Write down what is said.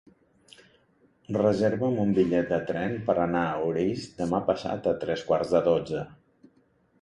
Reserva'm un bitllet de tren per anar a Orís demà passat a tres quarts de dotze.